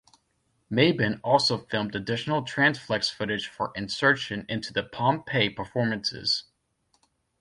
Maben also filmed additional transflex footage for insertion into the Pompeii performances.